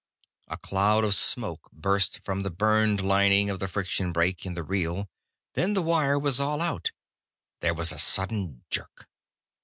A cloud of smoke burst from the burned lining of the friction brake, in the reel. Then the wire was all out; there was a sudden jerk.